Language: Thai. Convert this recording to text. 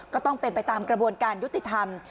ก็ต้องเป็นไปตามกระบวนการยุติธรรม